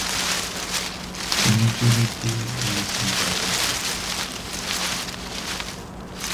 Ingenuity is important here!